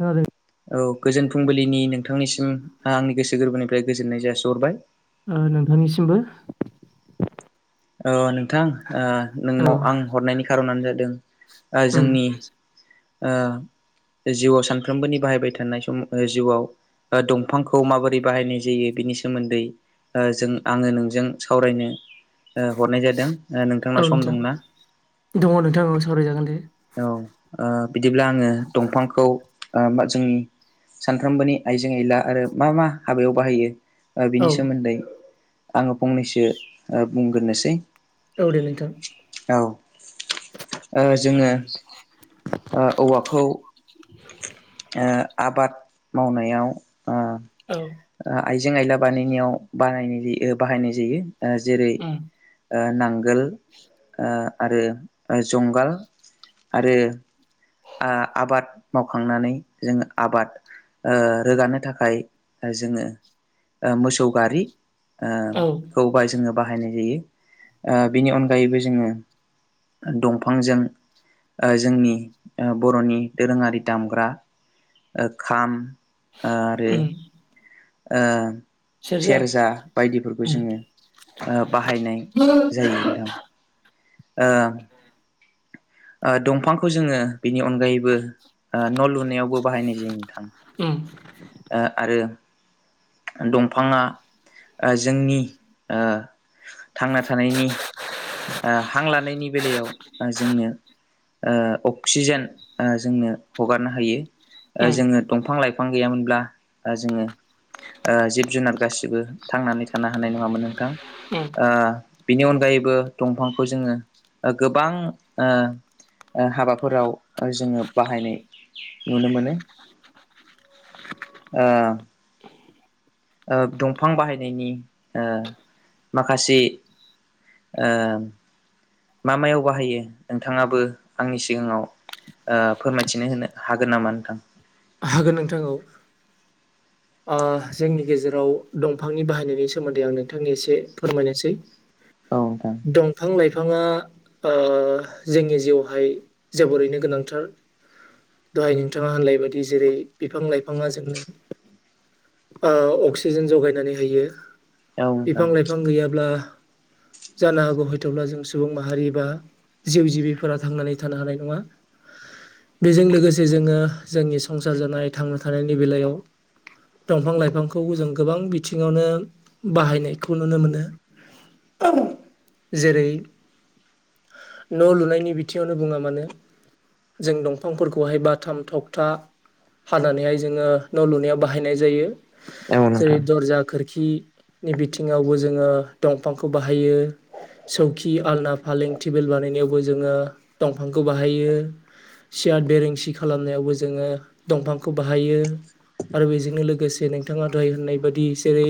खोनादों [inaudible] औ गोजोन फुंबिलिनि नोंथांनिसिम आं आंनि गोसो गोरबोनिफ्राय फ्राय गोजोननाय जासिहरबाय ओ नोंथांनिसिमबो [inaudible] ओ नोंथां आ औ नोंनाव आं हरनायनि खारनानो जादों ओ उम जोंनि ओ जिउआव सानफ्रोमबोनि बाहायबाय थानाय सम जिउआव ओ दंफांखौ माबोरै बाहायनाय जायो बिनि सोमोन्दै ओ जों आङो नोंजों सावरायनो ओ हरनाय जादों। औ नोंथांनाव सम नोंथां दंना? दङ नोंथां औ सावरायजागोन दे औ ओ बिदिब्ला आङो दंफांखौ ओ जोंनि सानफ्रोमबोनि आइजें आइला आरो मा मा हाबायाव बाहायो औ बिनि सोमोन्दै आङो फंनैसो बुंग्रोनोसै औ दे नोंथांव औ [unintelligible] उह औवाखौ ओ आबाद मावनायाव ओ औ आइजें आयला बानायनायावा बाहायनाय बाहायनाय जायो ओ जेरै उम ओ नांगोल ओ आरो जंगाल आरो आ आबाद मावखांनानै जोङो आबाद ओ रोगानो थाखाय जोङो ओ मोसौ गारि औ ओखौ बाय जोङो बाहायनाय जायो ओ बिनि अनगायैबो जोङो दंफांजों आ जोंनि बर'नि दोरोङारि दामग्रा खाम ओ आरो उम ओ सेरजा बायदिफोरखौ उम जोङो ओ बाहायनाय उम जायो थां ओ ओ दंफांखौ जोङो बिनि अनगायैबो न' लुनायावबो बाहायनाय जायो नोंथां आरो दंफाङा जोंनि ओ थांना थानायनि ओ हां लानायनि बेलायाव जोंनो ओ अक्सिजेन ओ जोंनो हगारनो हायो उम जोङो दंफां लाइ फां गैयामोनब्ला जोङो ओ जिब जुनार गासिबो थांनानै थानो हानाय नङामोन नोंथां उम ओ बिनि अनगायैबो दंफांखौ जोङो गोबां ओ हाबाफोराव जोङो बाहायनाय नुनो मोनो ओ दंफां बाहायनायनि ओ माखासे ओ मा मायाव बाहायो नोंथाङाबो आंनि सिगाङाव ओ फोरमायथिनो होनो हागोन नामा नोंथां? हागोन नोंथां औ [unintelligible] जोंनि गेजेराव दंफांनि बाहायनायनि सोमोन्दै आं नोंथांनि एसे फोरमायनोसै औ नोंथां दंफां लाइफांङा ओ जोंनि जिउआवहाय जोबोरैनो गोनांथार दहाय नोंथाङा होनलाय बायदि जेरै बिफां लाइफाङा जोंनो ओ अक्सिजेन जगायनानै होयो औ बिफां लाइफां गैयाब्ला [unintelligible] जानो हागौ हयथ'ब्ला जों सुबुं माहारि बा जिउ जिबिफोरा थांनानै थानो हानाय नङा बेजों लोगोसे जोङो जोंनि संसार जानाय थांना थानायनि बेलायाव दंफां लाइफांखौ जों गोबां बिथिङावनो बाहायनायखौ नुनो मोनो। [unintelligible] जेरै- न' लुनायनि बिथिङावनो बुङा मानो जों दंफांफोरखौहाय बाथाम थखथा हानानैहाय जोङो न' लुनायाव बाहायनाय जायो नोंथां जेरै दरजा खोरखि नि बिथिङावबो जोङो दंफांखौ बाहायो सौखि आलना फालें टेबोल बानायनायावबो जोङो दंफांखौ बाहायो सियट बेरेंसि खालामनायावबो जोङो दंफांखौ बाहायो। आरो बेजोंनो लोगोसे नोंथाङा दहाय होननाय बादि जेरै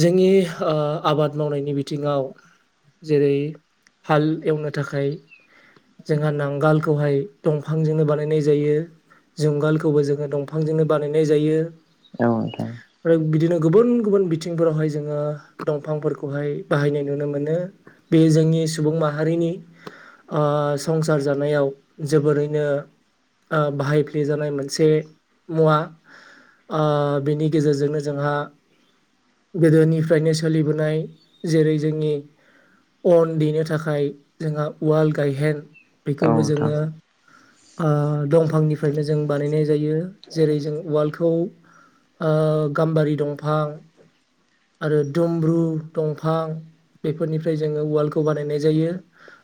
जोंनि ओ आबाद मावनायनि बिथिङाव जेरै- हाल एवनो थाखाय जोंहा नांगोलखौहाय दंफांजोंनो बानायनाय जायो। जुंगालखौबो जोङो दंफांजोंनो बानायनाय जायो। औ नोंथां आरो बिदिनो गुबुन गुबुन बिथिंफोरावहाय जोङो दंफांफोरखौहाय बाहायनाय नुनो मोनो बे जोंनि सुबुं माहारिनि ओ संसार जानायाव जोबोरैनो ओ बाहायफ्ले जानाय मोनसे मुवा ओ बेनि गेजेरजोंनो जोंहा गोदोनिफ्रायनो सोलिबोनाय जेरै जोंनि अन देनो थाखाय जोंहा उवाल गायहेन औ बेखौबो नोंथां जोङो ओ दं फांनिफ्रायनो जों बानायनाय जायो जेरै- जों उवालखौ ओ गाम्बारि दंफां आरो दुमब्रु दंफां बेफोरनिफ्राय जोङो उवालखौ बानायनाय जायो।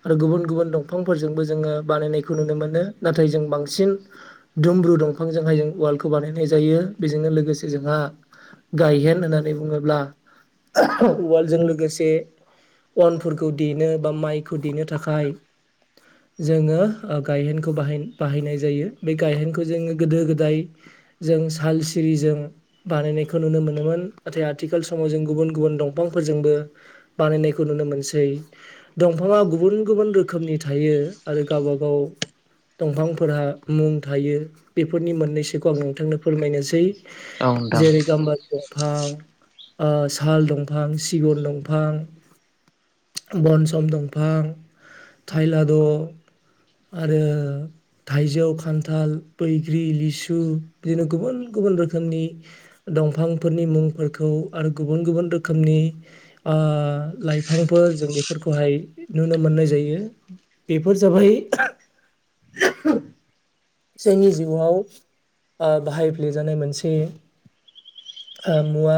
आरो गुबुन गुबुन दंफांफोरजोंबो जोङो बानायनायखौ नुनो मोनो नाथाय जों बांसिन दुमब्रु दंफांजोंहाय जों वालखौ बानायनाय जायो बेजोंनो लोगोसे जोंहा गायहेन होननानै बुङोब्ला [unintelligible] उवालजों लोगोसे अनफोरखौ देनो बा माइखौ देनो थाखाय जोङो गायहेनखौ बाहाय-बाहायनाय जायो। बे गायहेनखौ जोङो गोदो-गोदाय जों साल सिरिजों बानायनायखौ नुनो मोनोमोन। नाथाय आथिखाल समाव जों गुबुन गुबुन दंफांफोरजोंबो बानायनायखौ नुनो मोनसै। दंफाङा गुबुन गुबुन रोखोमनि थायो आरो गावबा गाव दंफांफोरहा मुं थायो बेफोरनि मोननैसोखौ आं नोंथांनो फोरमायनोसै औ नोंथां जेरै गामबारि बिफां साल दंफां सिगुन दंफां बनसम दंफां थाइलाद' आरो थाइजौ खान्थाल बैग्रि लिसु बिदिनो गुबुन गुबुन रोखोमनि दंफांफोरनि मुंफोरखौ आरो गुबुन गुबुन रोखोमनि लाइफांफोर जों बेफोरखौहाय नुनो मोननाय जायो बेफोर जाबाय जोंनि जिउआव ओ बाहायफ्लेजानाय मोनसे ओ मुवा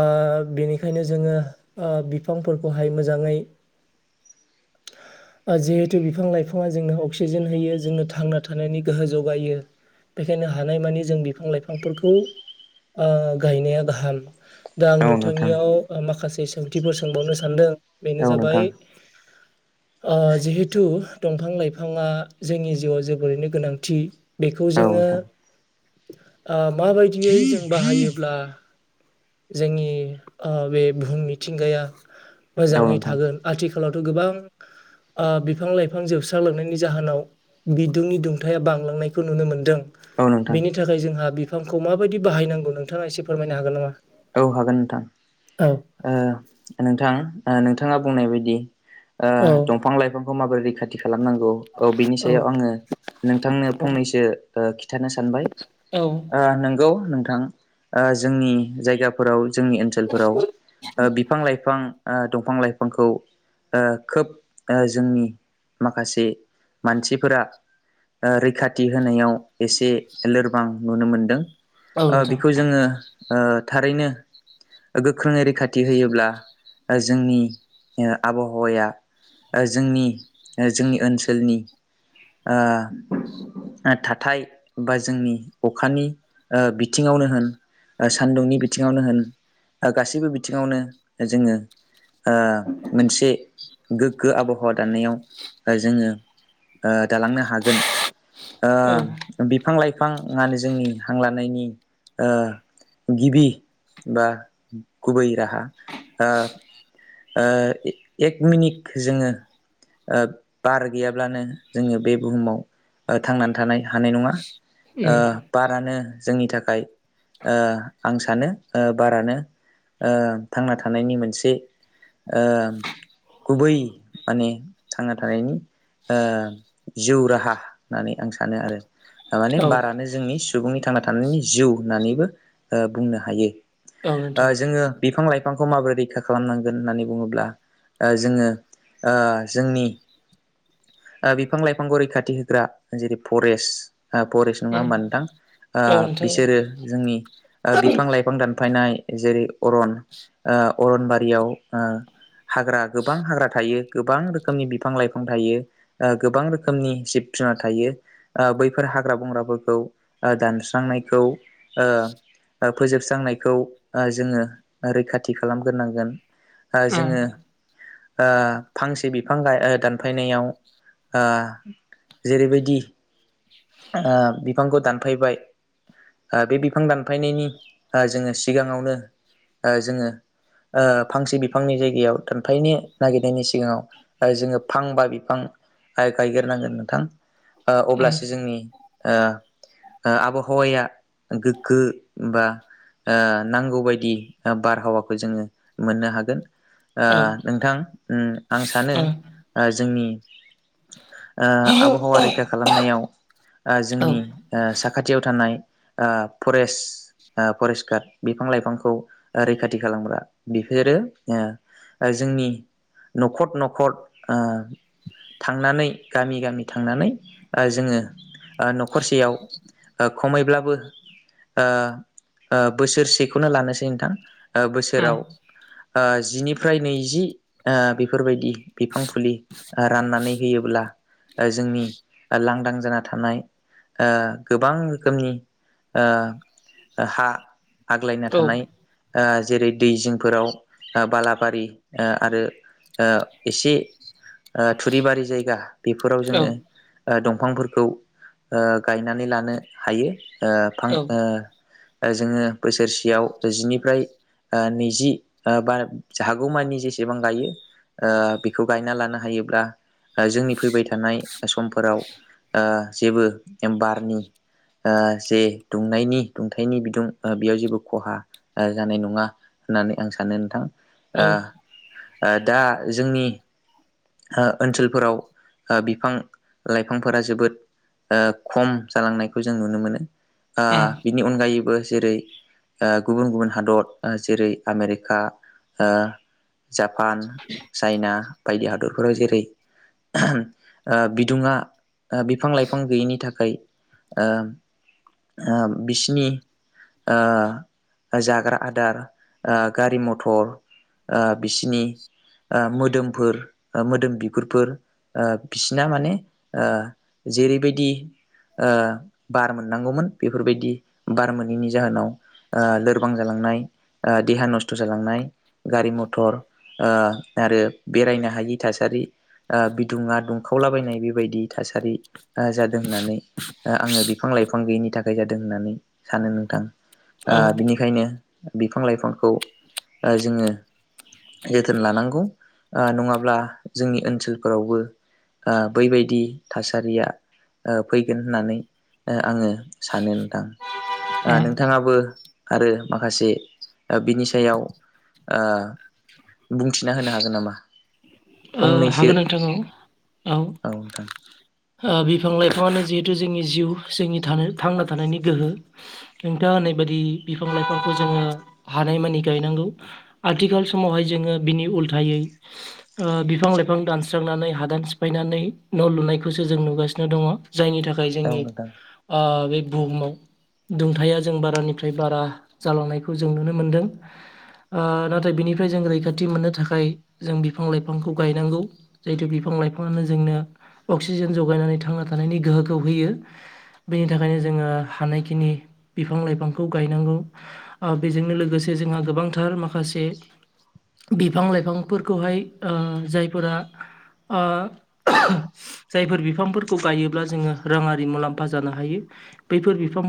ओ बेनिखायनो जोङो ओ बिफांफोरखौहाय मोजाङै [inaudible] जिहेथु बिफां-लाइफाङा जोंनो अक्सिजेन होयो जोंनो थांना थानायनि गोहो जगायो बेखायनो हानायमानि जों बिफां-लाइफांफोरखौ ओ गायनाया गाहाम दा आं औ नोंथां औ नोंथां नोंथांनियाव माखासे सोंथिफोर सोंबावनो सानदों। बेनो औ नोंथां जाबाय जिहेथु दंफां लाइफाङा जोंनि जिउआव जोबोरैनो गोनांथि बेखौ औ जों नोंथां जोङो माबायदियै जों बाहायोब्ला जोंनि ओ बे बुहुम मिथिंगाया औ मोजाङै नोंथां थागोन आथिखालावथ' गोबां ओ बिफां-लाइफां जोबस्रालांनायनि जाहोनाव बिदुंनि दुंथाइया बांलांनायखौ नुनो मोनदों। औ नोंथां बेनि थाखाय जोंहा बिफांखौ माबायदि बाहायनांगौ नोंथाङा एसे फोरमायनो हागोन नामा? औ हागोन औ ओ नोंथां ओ नोंथां नोंथाङा बुंनाय बादि ओ औ दंफां-लाइफांखौ माबोरै रैखाथि खालामनांगौ औ बिनि सायाव आङो नोंथांनो फंनैसो ओ खिन्थानो सानबाय औ ओ नोंगौ नोंथां ओ जोंनि जायगाफोराव जोंनि ओनसोलफोराव बिफां-लाइफां ओ दंफां-लाइफांखौ ओ खोब जोंनि माखासे मानसिफोरा ओ रैखा थि होनायाव एसे लोरबां नुनो मोनदों औ ओ नोंथां बेखौ जोङो ओ थारैनो गोख्रोङै रैखाथि होयोब्ला जोंनि आबहावाया जोंनि जोंनि ओनसोलनि ओ थाथाय बा जोंनि अखानि ओ बिथिङावनो होन सान्दुंनि बिथिङावनो होन गासैबो बिथिङावनो जोङो ओ मोनसे गोग्गो आबहावा दानायाव जोङो दालांनो हागोन औ ओ बिफां-लाइ फाङानो जोंनि हां लानायनि ओ गिबि बा गुबै राहा ओ ओ ए-एक मिनिट जोङो ओ बार गैयाबनो जों बे बुहुमाव ओ थांनानै‌ हानाय नङा ओ उम बारानो जोंनि थाखाय ओ आं सानो बारानो थांना ओ थानायनि मोनसे ओ गुबै माने थांना थानायनि ओ जिउ राहा होननानै आं सानो आरो माने औ बारानो जोंनि सुबुंनि थांना थानायनि जिउ होननानैबो आ बुंनो हायो औ ओ नोंथां जोङो बिफां लाइफांखौ माबोरै रैखा खालामनांगोन होननानै बुङोब्ला ओ जोङो ओ जोंनि ओ बिफां लाइफांखौ रैखाथि होग्रा जेरै फरेस्ट ओ फरेस्ट नङा उम मोनथां ओ औ नोंथां उम बिसोरो जोंनि बिफां उम लाइफां दानफ नाय जेरै अरन ओ अरनबारियाव ओ हाग्रा गोबां हाग्रा थायो गोबां रोखोमनि बिफां लाइफां थायो गोबां रोखोमनि जिब जुनार थायो ओ बैफोर हाग्रा बंग्राफोरखौ ओ दानस्रांनायखौ ओ ओ फोजोबस्रांनायखौ ओ जोङो रैखाथि खालामग्रोनांगोन औ जोङो ओ फांसे बिफां दानफायनायाव ओ जेरैबायदि ओ बिफांखौ दानफायबाय ओ बे बिफां दानफायनायनि ओ जोङो सिगाङावनो ओ जोङो ओ फांसे बिफांनि जायगायाव दानफनो नागिरनायनि सिगाङाव ओ जोङो फां बा बिफां गायग्रोनांगोन नोंथां ओ उम अब्लासो जोंनि आबहावाया गोग्गो बा नांगौ बायदि बारहावाखौ जोङो मोननो हागोन ओ औ उम औ नोथां उम आं सानो औ ओ जोंनि ओ आबहावा रैखा खालामनायाव ओ जोंनि ओ साखाथियाव थानाय ओ फरेस्ट ओ फरेस्ट गार्ड बिफां लाइफांखौ रैखाथि खालामग्रा बेफोरो जोंनि न'खर न'खर थांनानै गामि गामि थांनानै ओ जोङो ओ न'खरसेयाव ओ खमैब्ला ओ ओ बोसोरसेखौनो लानोसै नोंथां ओ बोसोराव ओ जिनिफ्राय नैजि ओ बेफोरबायदि बिफां फुलि ओ राननानै होयोब्ला जोंनि लांदां जाय थानाय ओ गोबां रोखोमनि ओ हा आग्लायना थानाय ओ जेरै दै जिंफोराव ओ बालाबारि ओ आरो ओ एसे ओ थुरिबारि जायगा बेफोराव जोङो दंफांफोरखौ ओ गायनानै लानो हायो ओ फां उम ओ जोङो बोसोरसेयाव जिनिफ्राय ओ नैजि ओ बा हागौमानि जेसेबां गायो ओ बेखौ गायना लानो हायोब्ला ओ जोंनि फैबाय थानाय समफोराव ओ जेबो बारनि ओ जे दुंनायनि दुंथनि बिदुं बेयाव जेबो खहा ओ जानाय नङा होननानै आं सानो नोंथां ओ ओ दा जोंनि ओ ओनसोलफोराव बिफां ओ लाइफांफोरा जोबोद ओ खम जालांनायखौ जों नुनो मोनो ओ बिनि अनगायैबो जेरै ओ गुबुन गुबुन हादर जेरै ओ आमेरिका ओ जापान चाइना बायदि हादरफोराव जेरै ओ बिदुङा बिफां लाइफां गैयैनि थाखाय ओ ओ बिसिनि ओ आ जाग्रा आदार आ गारि मथर आ बिसिनि आ मोदोमफोर ओ मोदोम बिगुरफोर आ बिसिना माने ओ जेरैबायदि ओ बार मोननांगौमोन बेफोरबायदि बार मोनैनि जाहोनाव आ लोरबां जालांनाय आ देहा नस्थ' जालांनाय गारि मथर ओ आरो बेरायनो हायि थासारि। आ बिदुङा दुंखावलाबायनाय बेबायदि थासारि। ओ जादों होननानै ओ आङो बिफां-लाइफां गैयिनि थाखाय जादों होननानै सानो नोंथां। आ औ उम बिनिखायनो बिफां-लाइफांखौ ओ जोङो जोथोन लानांगौ ओ नङाब्ला जोंनि ओनसोलफोरावबो ओ बैबायदि थासा- रिया ओ फैगोन होननानै ओ आङो सानो नोंथां। ओ नोंथाङाबो आरो माखासे बिनि आ सायाव ओ बुंथिना होनो हागोन नामा? औ फंनैसो हागोन नोंथां औ औ बिफां-लाइफाङानो जिहेथु जोंनि जिउ जोंनि थांना थानायनि गोहो नोंथाङा होननाय बायदि बिफां-लाइफांखौ जोङो हानाय मानि गायनांगौ। आथिखाल समावहाय जोङो बिनि उल्थायै ओ बिफां-लाइफां दानस्रांनानै हादान सिफायनानै न' लुनायखौसो जों नुगासिनो दङ। जायनि थाखाय औ जोंनि नोंथां ओ बे बुहुमाव दुंथाया जों बारानिफ्राय बारा जालांनायखौ जों नुनो मोनदों। ओ नाथाय बिनिफ्राय जों रैखाथि मोननो थाखाय जों बि- बिफां-लाइफांखौ गायनांगौ। जहेतु बिफां-लाइफाङानो जोंनो अक्सिजेन जगायनानै थांना थानायनि गोहोम- खौ होयो। बेनि थाखायनो जोङो हानायखिनि बिफां लाइफांखौ गायनांगौ। ओ बेजोंनो लोगोसे जोंहा गोबांथार माखासे बिफां-लाइफांफोरखौहाय ओ जायफोरा ओ जायफोर बिफांफोरखौ गायोब्ला जोङो राङारि मुलाम्फा जानो हायो। बैफोर बिफां-